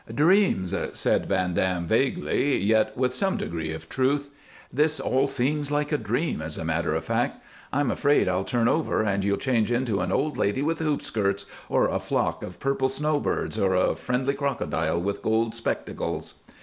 "Dreams!" said Van Dam, vaguely, yet with some degree of truth. "This all seems like a dream, as a matter of fact. I'm afraid I'll turn over, and you'll change into an old lady with hoop skirts, or a flock of purple snowbirds, or a friendly crocodile with gold spectacles."